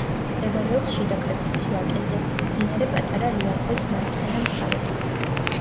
მდებარეობს შიდა ქართლის ვაკეზე, მდინარე პატარა ლიახვის მარცხენა მხარეს.